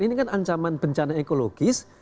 ini kan ancaman bencana ekologis